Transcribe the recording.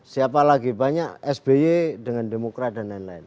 siapa lagi banyak sby dengan demokrat dan lain lain